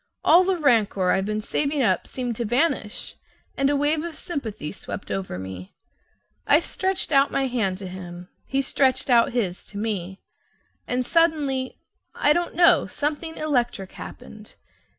All the rancor I've been saving up seemed to vanish, and a wave of sympathy swept over me. I stretched my hand out to him; he stretched his out to me. And suddenly I don't know something electric happened.